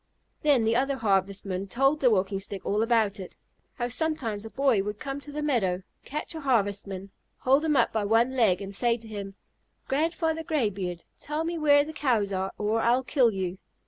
Then the other Harvestmen told the Walking Stick all about it, how sometimes a boy would come to the meadow, catch a Harvestman, hold him up by one leg, and say to him, "Grandfather Graybeard, tell me where the Cows are, or I'll kill you."